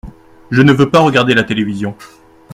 Je ne veux pas regarder la télévision.